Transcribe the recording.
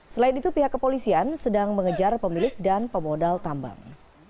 selain itu pihak kepolisian sedang mengejar pemilik dan pemodal tambang